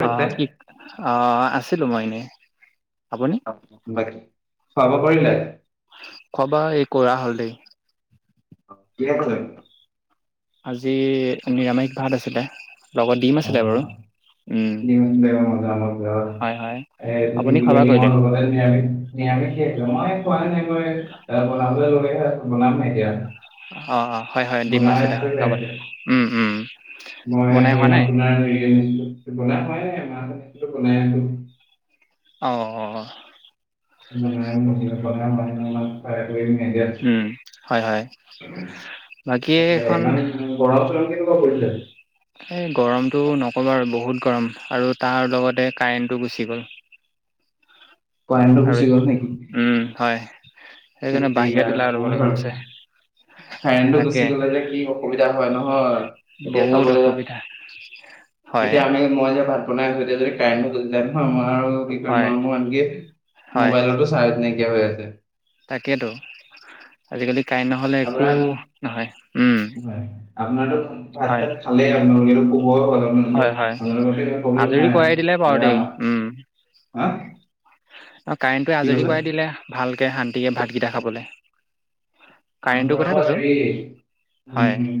কৰিছে অঁ, কি অঁ আছিলোঁ মই এনেই, আপুনি? বাকী খোৱা বোৱা কৰিলে? খোৱা বোৱা এই কৰা হ'ল দেই। কিহে কৰিলে? আজি নিৰামিষ ভাত আছিলে, লগত ডিম আছিলে বাৰু। [inaudible] হয় নিৰামিষে, হয় মই আপুনি খোৱা বোৱা কৰিলে খোৱাই নাই, মই বনাবলৈ লৈহে বনামহে এতিয়া। অ', অ', হয় হয় ডিম বনাই আছিল আছো হয় হে লগতে, এতিয়া উম উম মই বনাই হোৱা নাই? [unintelligible] অ', অ'। [unintelligible] [unintelligible] ইমান হয় উম হয় গৰম বাকী চৰম এইখন কেনেকুৱা পৰিছে? এই গৰমটো নকবা আৰু বহুত গৰম আৰু তাৰ লগতে কাৰেণ্টটো গুচি গ'ল। কাৰেণ্টটো আৰু গুচি গ'ল নেকি উম হয় ধেত সেইকাৰণে তেৰিকা বাহিৰতো ওলাই ল'ব নক'ব লগা আৰু হৈছে। কাৰেণ্টটো তাকে গুচি গলে যে কি অসুবিধা হয় নহয় এতিয়া বহুত চাবলৈ গলে অসুবিধা [unintelligible] এতিয়া আমি মই যে ভাত বনাই আছো এতিয়া যদি কাৰেণ্টটো গুচি যায় নহয় মই হয় আৰু [unintelligible] আনকি মোবাইলতো চাৰ্জ নাইকিয়া হৈ আছে। তাকেইেতো, আজিকালি কাৰেণ্ট নহ'লে একো আপোনাৰ নহয় উম। হয়। আপোনাৰতো ভাত হয় তাত খালেই আপোনালোকে, শুবৈ হল হয় আপোনালোকৰ, হয় আপোনাৰটো প্ৰব্লেম আজৰি নাই। আৰু [unintelligible] দেই আমাৰ উম। হা অ কাৰেণ্টটো কি আজৰি কৈছে কৰাই দিলে ভালকে শান্তিকে ভাতকেইটা খাবলে। আমোৰ আকৌ হেৰি উম হয় উম।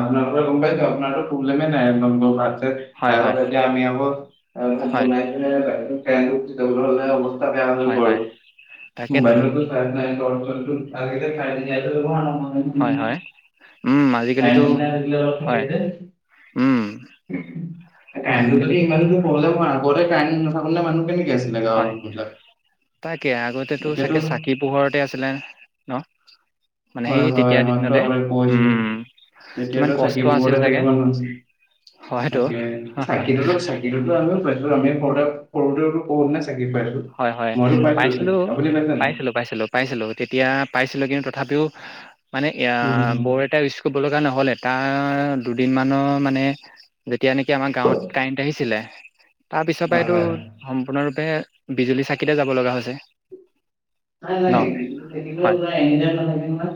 আপোনাৰ পৰা গম পাইছো আপোনাৰটো প্ৰেব্লেমে নাই [unintelligible] হয় খাই হয় খতিয়া আমি আকৌ হয় হয় [unintelligible] হয় [unintelligible] তাকেতো মোবাইলটো [unintelligible] হয় হয় উম আজিকালিতো কাৰেণ্টটো আজিকালি অলপ হয় থাকে যে উম, কাৰেণ্টটো আজিকালি যদি ইমান প্ৰেব্লেম হয় আগতে কাৰেণ্ট নাথাকোতে মানুহ কেনেকৈ আছিলে গাঁৱৰ হয় মানুহবিলাক এতিয়াতো কি পোহৰতে আছিলে ন? মানে হয় সেই হয় তেতিয়া আমাকটো দিনতে কৈছে উম, কিমান তেতিয়াতো চাকি কষ্ট আছিল বোৰতে চাগে [unintelligible] হয়তো তাকে চাকিটো চাকিটোটো আমিও পাইছো, আমি সৰুতে সৰুতেওটো [unintelligible] চাকি পাইছো। হয় হয় মইতো পাইছো পাইছিলো চাকি আপুনি পাইছে নাই পাইছিলো। পাইছিলো পাইছিলো তেতিয়া পাইছিলো কিন্তু তথাপিও মানে এ বৰ এটা ক'ব লগা নহ'লে তাৰ দুদিন মানৰ মানে যেতিয়া নেকি আমাৰ গাঁৱত কাৰেণ্ট আহিছিলে তাৰ পিছৰ পৰাইটো হয় সম্পূৰ্ণৰূপে বিজুলী চাকিতে যাব লগা হৈছে। নাই ন নাই [unintelligible] এনি হয় টাইম নাথাকে নহয়,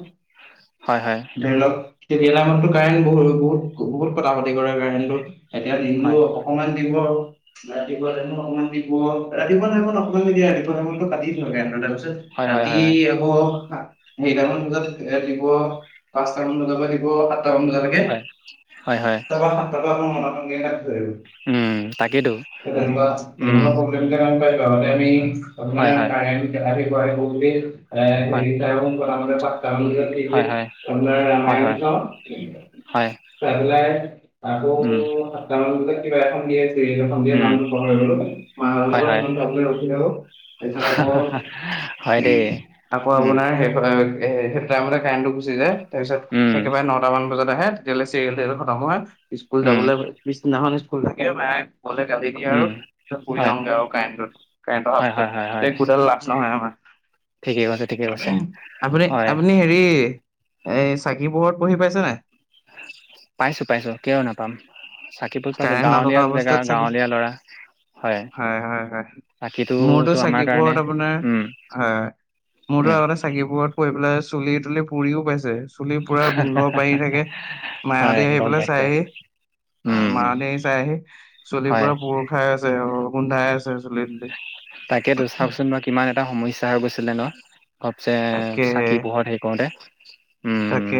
হয় হয় ধৰি লওক তেতিয়াহলেটো কাৰেণ্ট বহুত বহুত বহুত কটা কটি কৰে কাৰেণ্টটো এতিয়া যিটো হয় অকমান দিব আৰু। ৰাতিপুৱা টাইমত অকমান দিব ৰাতিপুৱা টাইমত অকমান নিদিয়ে এইটো টাইমতটো কাটি থাকে কাৰেণ্টটো হয় হয় ৰাতি হয় আকৌ সেইটামান বজাত দিব পাঁচটামান বজাৰ পৰা দিব সাতটামান বজালৈ। হয় হয় হয় [unintelligible] তাকেতো। তেনেকুৱা তেনেকুৱা প্ৰব্লেম কিন্তু পাইছিলো আগতে আমি হয় আপুনাৰ হয় কাৰেণ্ট [unintelligible] তাৰপিছত হয় টি হয় ভিত হয় আপোনাৰ হয় ৰামায়ণ হয় চাওঁ হয় চাইপেলাই আকৌ উম সাতটা মান বজাত কিবা এখন দিয়ে যে সন্ধিয়া উম নামটো পাহৰি গলো, মাৰ হয় হয় লগতখন ৰখি থাকো তাৰপিছত আকৌ- হয় দে, উম'। সেইটো টাইমতে কাৰেণ্টটো গুচি যায়। তাৰ পিছত উম একেবাৰে নটামান বজাত আহে। তেতিয়ালে চিৰিয়েল খতম হয় স্কুল উম যাবলৈ পিছদিনাখন স্কুল থাকে লে গালি দিয় উম আৰু পিছত পৰি হয়, যাওঁগে আৰু কাৰেণ্টত কাৰেণ্ট অহাৰ হয়, পিছত হয়, হয়, হয়, কোডাল লাষ্ট- নহয় নহয় ঠিকেই কৈছে, ঠিকেই কৈছে। উম আপুনি হয়, আপুনি এই চাকি পোহৰত পঢ়ি পাইছে নে নাই? পাইছো পাইছো কিয় নাপাম। চাকিত পঢ়ি পাইছো, কাৰেণ্ট গাঁৱলীয়া নথকা জেগা অৱস্থাত চাকি গাঁৱলীয়া ল'ৰা। হয় হয় হয়, মোৰতো চাকিটোতো আমাৰ চাকি কাৰণে পোহৰত আপোনাৰ উম, হয়, মোৰতো উম, আগতে চাকিপোহৰত পৰি পেলাই চুলি-তুলি পুৰিও পাইছে। চুলি পুৰা গোন্ধ পাই থাকে, হয়, মাইহঁতি আহি গম পেলাই পাইছে। চাইহি, আহ উম, মা হতি আহি চাইহি চুলিৰ হয়, পুৰা পুৰ খাই আছে অও গোন্ধাই আছে চুলি-তুলি। তাকেটো চাওকচোন বাৰু কিমান এটা সমস্যা হৈ গৈছিলে ন? সবছে চাকি পোহত হেৰি কৰোতে। তাকে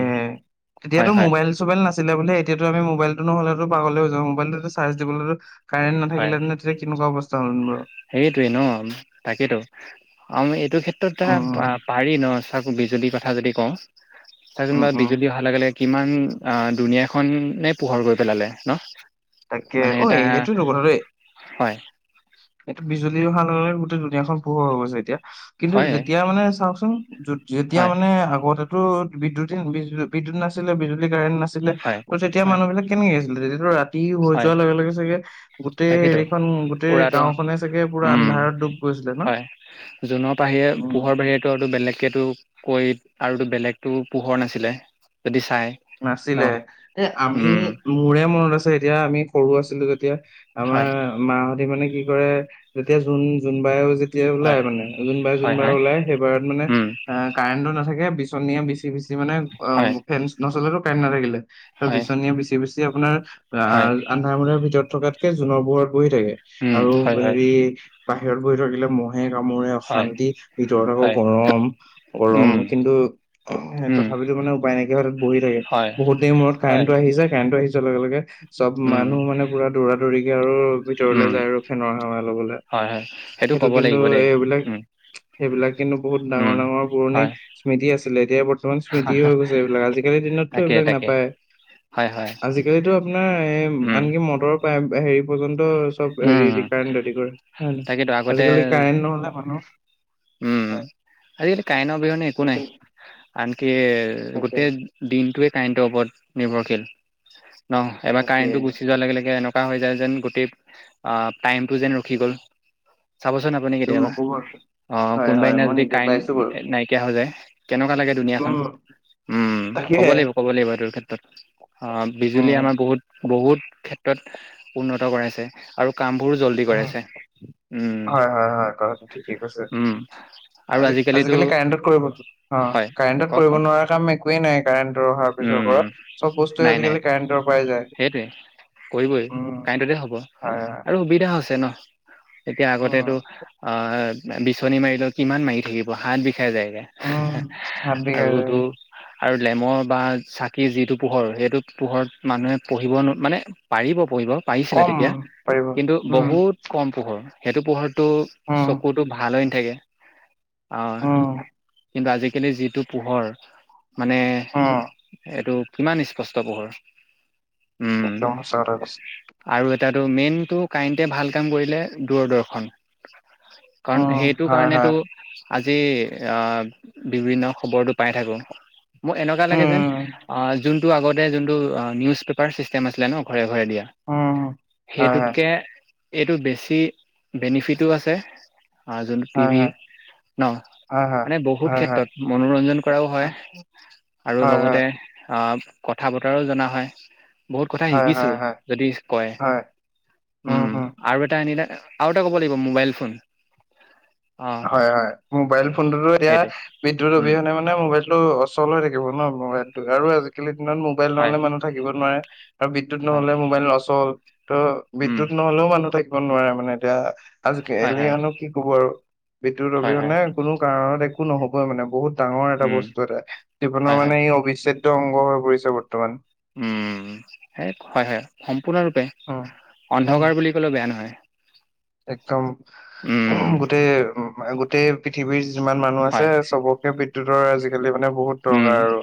তেতিয়াতো মোবাইল মোবাইল চোবাইল নাছিলে বলিহে, এতিয়াটো আমি মবাইলটো নহ'লে টো পাগলে হৈ যাও। মোবাইলতো চাৰ্জ দিবোলৈও কাৰেণ্ট হয়। নাথাকিলে তেতিয়া কেনেকুৱা অৱস্থা হ'ল নো বাৰু। সেইটোৱে ন তাকেইতো আমি এইটো ক্ষেত্ৰত এ উম উম পাৰি পাৰি ন। বিজুলী কথা যদি কও, চাচোন উম বাৰু উম বিজুলী অহা অহা লাগে-লাগে কিমান আ দুুনীয়াখনে পোহৰ কৰি পেলালে ন? তাকে, মানে ঐ এটা সেইটোতো কথা দে- হয় এইটো বিজুলী অহা লগে লগে-লগে গোটেই দুনীয়াখন পোহৰ হৈ গৈছে এতিয়া। কিন্তু হয় যেতিয়া মানে চাওকচোন যেতিয়া হয় মানে আগতে বিদ্যুত বিজুলী বিদ্যুত নাছিলে বিজুলী কাৰেন্ট নাছিলে হয় ত তেতিয়া হয় মানুহ বিলাক কেনেকে আছিলে তেতিয়াটো ৰাতি ৰাতি হৈ হয় যোৱাৰ লগে-লগে চাগে গোটেই তাকেইতো হেৰিখন গোটেই উৰাটো গাওঁ খনে চাগে পুৰা উম আন্ধাৰত ডুব গৈছিলে ন? হয়, জোনৰ বাহিৰে উম। পোহৰ বাহিৰেতো আৰু বেলেগকেটো কৈ আৰু টো বেলেগতো পোহৰ নাছিলে যদি চাই। ন নাছিলে, এ আমি উম মোৰে মনত আছে তেতিয়া আমি সৰু আছিলো যেতিয়া আমাৰ হয় মা হতে মানে কি কৰে, যেতিয়া জোন জোনবাইৰ যেতিয়া ওলাই হয় মানে যোনবাৰ হয় যোনবাৰ হয় ওলাই সেইবাৰত মানে উম আহ কাৰেণ্টটো নাথাকে বিচনিয়ে বিচি বিচি মানে অ হয় ফেন নচলেটো কাৰেণ্ট নাথাকিলে। আৰ হয় বিচনীয়ে বিচি বিছি আপোনাৰ হয় আহ আন্ধাৰ মোন্ধাৰ ভিতৰত থকাতকে জোনৰ পোহৰত বহি থাকে। উম আৰু হয় হয় হেৰি বাহিৰত বহি থাকিলে মহ মহে কামোৰে হয় অশান্তি ভিতৰত আকৌ হয় গৰম। গৰম উম কিন্তু উম তথাপিতো মানে উপায় নাইকিয়া হয়তো। হয় বহুত দেৰি মূৰত হয় কাৰেণ্টো আহি যায়, কাৰেন্টটো আহি যোৱাৰ লগে-লগে চব উম মানুহ মানে মানে পুৰা দৌৰা দৌৰিকে আৰু ভিতৰলে উম যায় আৰু ফেনৰ হাৱা লবলে। হয় হয় সেইটো ক'ব কিন্তু লাগিব দেই এইবিলাক, উম সেইবিলাক কিন্তু বহুত ডাঙৰ উম, ডাঙৰ পুৰণি হয় স্মৃতি আছিলে। এতিয়া বৰ্তমান স্মৃতি হৈ গৈছে এইবিলাক আজি আজিকালি দিনতো তাকে এইবিলাক তাকে নাপায়। হয় হয় আজিকালিটো আপোনাৰ এ উম আনকি মটৰ তাত হেৰি পৰ্যন্ত চব হেৰি উম দি কাৰেণ্ট দি কৰে। হয়', তাকেতো আগতে আজিকালি কাৰেণ্ট নহ'লে মানুহ উম, হয় আজিকালি কাৰেণ্ট অবিহনে একো নাই। আজিকালি আনকি তাকে গোটেই দিনটোৱে কাৰেণ্টৰ ওপৰত নিৰ্ভৰশীল। ন' এবাৰ তাকে কাৰেণ্টটো গুচি যোৱাৰ লগে লগে এনেকুৱা হৈ যায় যেন, গোটেই অ' টাইমটো যেন ৰখি গ'ল। চাবচোন আপুনি একদম কেতিয়াবা। নকব আৰু। অ' হয় কোনোবা হয় দিনা মই যদি নিজে পাইছো কাৰেণ্ট বাৰু না-নাইকিয়া হৈ যায়, কেনেকুৱা লাগে উম দুুনীয়াখন। উম, ক'ব তাকেহে লাগিব ক'ব লাগিব এইটোৰ ক্ষেত্ৰত, অ' উম বিজুলী আমাৰ বহুত বহুত ক্ষেত্ৰত উন্নত কৰাইছে আৰু কামবোৰো জল্দি উম কৰাইছে। উম হয়, হয়, হয় কথাটো ঠিকেই কৈছে। উম আৰু আজি আজিকালিতো আজিকালি কাৰেণ্টত কৰিব, অ' হয় কাৰেন্টত কওক কৰিব কওক নোৱাৰা কাম একো একোৱেই নাই কাৰেণ্টটো অহাৰ পিছৰ উম পৰা, চব বস্তুৱে নাই নাই আজিকালি কাৰেণ্টৰ পৰাই যায়। সেইটোৱে কৰিবই, উম কাৰেণ্টটোতে হ'ব হয় হয় আৰু সুবিধা হৈছে ন' এতিয়া উম আগতেটো অ' বিচনী মাৰিলেও কিমান মাৰি থাকিব হাত বিষাই যায়গে, উম হাত বিগাই আৰুটো যায় আৰু লেমৰ বা চাকিৰ যিটো পোহৰ সেইটো পোহৰত মানুহে পঢ়িব নো- মানে পাৰিব পঢ়িব পাৰিছিলে কম তেতিয়া, পাৰিব কিন্তু উম বহুত কম পোহৰ, সেইটো পোহৰটো উম চকুটো ভাল হৈ নাথাকে। অ' উম কিন্তু আজিকালি যিটো পোহৰ মানে অ'। সেইটো কিমান স্পষ্ট পোহৰ। উম একদম সঁচা কথা কৈছে। আৰু এটাটো মেইনটো কাৰেণ্টে ভাল কাম কৰিলে, দূৰদৰ্শন। কাৰণ উম সেইটো হয় কাৰণেটো হয় আজি অ' বিভিন্ন খবৰটো পাই থাকো, মোৰ এনেকুৱা লাগে যেন উম আ' যোনটো আগতে যোনটো অ' নিউজ পেপাৰ ছিষ্টেম আছিলে ন' ঘৰে ঘৰে দিয়া। উম হয় সেইটোতকে এইটো বেছি। বেনিফিটো আছে অ' যোনটো টি হয় ভি ন'। হয় হয় মানে বহুত হয় হয় ক্ষেত্ৰত মনোৰঞ্জন কৰাও হয়, আৰু হয় লগত হয় অ' কথা বতৰাও জনা হয়। বহুত কথা হয় হয় হয় শিকিছোঁ হয় হয় যদি কয়, হয় উম, উম। আৰু এটা আনিলে আৰু এটা ক'ব লাগিব মোবাইল ফোন। অ হয়, হয় মোবাইল ফোনতো এতিয়া সেইটোৱে বিদ্যুত অবিহনে মানে মানে মোবাইলটো অচল হৈ থাকিব ন' মোবাইলটো আৰু আজিকালিৰ দিনত মোবাইল নহ'লে মানুহ থাকিব নোৱাৰে। আৰু বিদ্যুত নহ'লে মোবাইল অচল ত' বিদ্যুত নহ'লেও মানুহ থাকিব নোৱাৰে মানে এতিয়া। [unintelligible] এলিয়েনও কি ক'ব আৰু বিদ্যুৎ অবিহনে কোনো কাৰণত একো নহবই মানে বহুত ডাঙৰ এটা বস্তু এটা, জীৱনৰ মানে ই অবিচ্ছেদ্য অংগ হৈ পৰিছে বৰ্তমান। উম, সেই হয়, হয় সম্পূৰ্ণৰূপে, উম উম অন্ধকাৰ বুলি ক'লেও বেয়া নহয়। একদম, উম, গোটেই, গোটেই পৃথিৱীৰ যিমান মানুহ হয়, আছে চবকে বিদ্যুতৰ আজিকালি মানে বহুত উম, দৰকাৰ আৰু।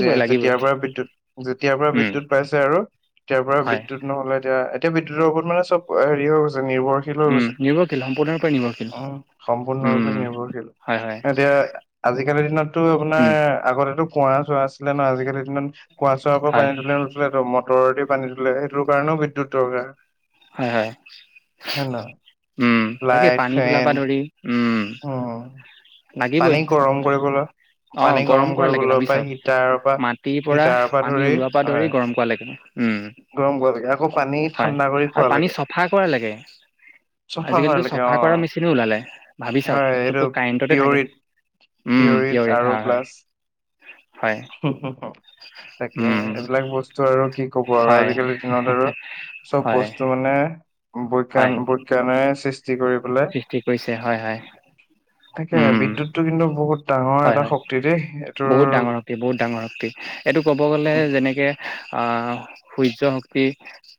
যে লাগিবই, যেতিয়াৰ পৰা বিদ্যুৎ, যেতিয়াৰ পৰা উম, বিদ্যুৎ পাইছে আৰু, তেতিয়াৰ পৰা হয়, বিদ্যুৎ নহ'লে এতিয়া, এতিয়া বিদ্যুৎৰ ওপৰত মানে চব হেৰি হৈ গৈছে নিৰ্ভৰ [unintelligible] হৈ উম, গৈছে। নিৰ্ভৰশীল সম্পূৰ্ণৰূপে নিৰ্ভৰশীল, উম, সম্পূৰ্ণৰূপে উম, নিৰ্ভৰশীল, হয় হয়, এতিয়া আজিকালিৰ দিনতটো আপোনাৰ উম, আগতেটো কুঁৱা চুৱা আছিলে ন' আজিকালিটো ইমান কুঁৱা চুৱাৰ পৰা হয়, পানী তুলে নোতুলেটো মটৰেদি পানী তোলে, সেইটো কাৰণেও বিদ্যুৎ দৰকাৰ। হয় হয়। [inaudible] [unintelligible] উম, তাকে লাইট পানী তুলা ফেন পা ধৰি, উম। উম লাগিবই, পানী গৰম কৰিবলৈ। অ পানী গৰম কৰা লেকে কৰিবলৈ ভাবি পৰা চাওক, হিটাৰৰ পৰা মাটিৰ পৰা হিটাৰৰ পানী ধৰি ওলোৱা পা হয় ধৰি গৰম কৰা লেকে। উম। গৰম কৰা লেকে, আকৌ পানী হয়, ঠাণ্ডা। কৰি আৰু খোৱালৈকে পানী চফা কৰা লেকে। চফা আজিকালিতো কৰালৈকে চফা অ কৰা মেচিনো ওলালে, ভাবি হয় চাওক, এইটো চবতো কাৰেন্টতে থাকে। পিয়ৰিত উম পিয়ৰ [unintelligible] আৰু ইথাৰ হয় প্লাছ। হয় হম হম, তাকে উম এইবিলাক বস্তু আৰু কি কব আৰু হয় আজিকালিৰ দিনত আৰু। চব হয় বস্তু মানে, হয় বৈজ্ঞান বৈজ্ঞানেৰে সৃষ্টি কৰি পেলাই। সৃষ্টি কৰিছে, হয় হয়। তাকেহে, উম বিদ্যুতটো কিন্তু বহুত ডাঙৰ হয় এটা হয় শক্তি দেই এইটো। বহুত ডাঙৰ শক্তি বহুত ডাঙৰ শক্তি এইটো ক'ব গ'লে যেনেকে আ সূৰ্য শক্তি।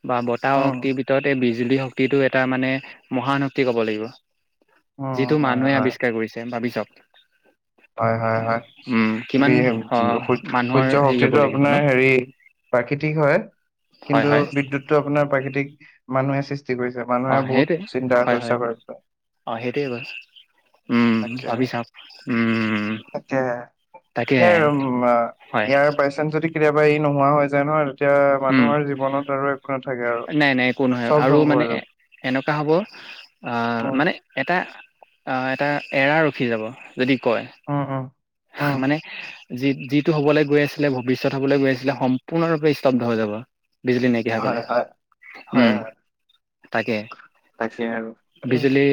বা বতাহ উম শক্তিৰ ভিতৰত বিজুলী শক্তিটো এটা মানে, মহান শক্তি ক'ব লাগিব। যিটো উম হয় মানুহে হয় আৱিষ্কাৰ কৰিছে ভাবি চাওক। হয় হয় হয়, উম [unintelligible] কিমান অ মানুহৰ সূৰ্য হেৰি হ'ব শক্তিটো লাগিব ন আপোনাৰ হেৰি। প্ৰাকৃতিক হয়, হয় কিন্তু হয় বিদ্যুতটো আপোনাৰ প্ৰাকৃতিক। মানুহে সৃষ্টি কৰিছে অ মানুহে বহুত চিন্তা হয় চৰ্চা কৰিছে। সেইটোৱে হয়। উম [inaudible] ভাবি চাম, উমম। তাকে, ইয়াৰ উ হয় ইয়াৰ পাৰ্চেন যদি কেতিয়াবা ই নোহোৱা হৈ যায় নহয়। এতিয়া উম মানুহৰ জীৱনত আৰু এ নাই নাই একো নহয়, আৰু মানে যাব এনেকুৱা হ'ব, আহ উম মানে এটা, এটা এৰা ৰখি যাব যদি কয়। উম উম। উম মানে। যি যিটো হ'বলৈ গৈ আছিলে ভৱিষ্যত হবলৈ গৈ আছিলে সম্পূৰ্ণৰূপে স্তব্ধ হৈ যাব, বিজলী নেট, হয় হয় [unintelligible] হয় উম, হয় তাকে, তাকে আৰু উম। বিজুলী।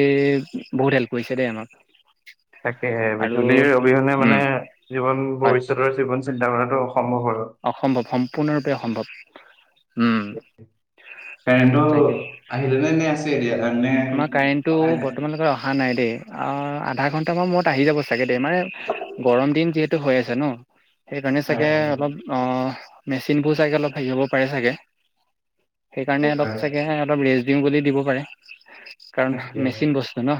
বহুত হেল্প কৰিছে দেই আমাক। তাকে হে আৰু বিজুলীৰ অবিহনে উম মানে জীৱন হয় ভৱিষ্যতৰ জীৱন চিন্তা কৰাতো, অসম্ভৱ হয়। অসম্ভৱ সম্পূৰ্ণৰূপে অসম্ভৱ, উম। কাৰেনটো, তাকে আহিলে নে এনেই আছে এতিয়া। নে আমাৰ কাৰেণ্টটো অহাই নাই বৰ্তমানলৈকে অহা অহা নাই দেই, আৰু আধা ঘণ্টামান মূৰত আহি যাব চাগে দেই মানে, গৰম দিন যিহেতু হৈ আছে ন, সেইকাৰণে হয় চাগে হয় অলপ। অঁ মেচিনবোৰ চাগে অলপ হেৰি হ'ব পাৰে চাগে। সেই কাৰণে হ'ব অলপ পাৰে চাগে সিহঁতক ৰেষ্ট দিও বুলি দিব পাৰে, কাৰণ তাকে মেচিন বস্তু [unintelligible]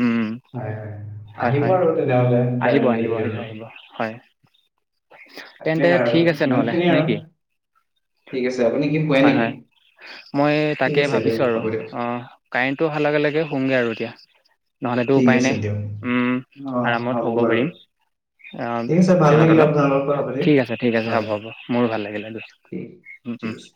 উম। হয় হয় হয় আহিব হয়, আৰু তেনেহ'লে আহিব কাৰেণ্টটো আহিব এতিয়া আহিব আৰু আহিব হয়। তাকে তেন্তে, আৰু ঠিক আছে নহলে ইমানখিনিয়ে নে আৰু কি। ঠিক আছে আপুনি কি শুৱে হয় নেকি হয়, মই ঠিক তাকে আছে ভাবিছো দিয়ক আৰু হ'ব দিয়ক অঁ। কাৰেণ্টটো অহাৰ লগে লগে হোমগে আৰু এতিয়া। নহ'লেতো ঠিক উপায় আছে নাই, দিয়ক। উম, অ আৰামত হ'ব শুব বাৰু পাৰিম। অ ঠিক আছে ভাল ফেনৰ লাগিলে তলত, আপোনাৰ লগত কথা পাতি। ঠিক আছে ঠিক আছে হয় হ'ব হ'ব মোৰো ভাল লাগিলে। ঠিক উম ঠিক উম। আছে